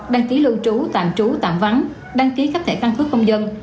đăng ký lưu trú tạm trú tạm vắng đăng ký khắp thể căn cứ công dân